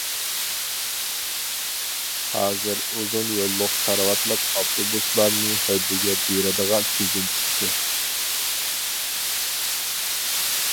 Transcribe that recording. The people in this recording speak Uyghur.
ھازىر ئۇزۇن يوللۇق كارىۋاتلىق ئاپتوبۇسلارنى ھۆددىگە بېرىدىغان تۈزۈم چىقتى.